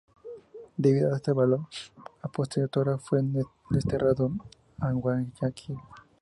Debido a esta labor opositora fue desterrado a Guayaquil.